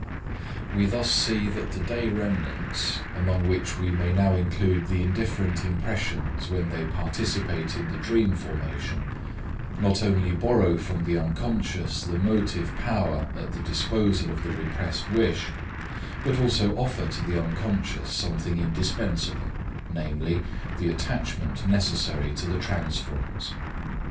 We thus see that the day remnants, among which we may now include the indifferent impressions when they participate in the dream formation, not only borrow from the Unc. the motive power at the disposal of the repressed wish, but also offer to the unconscious something indispensable, namely, the attachment necessary to the transference.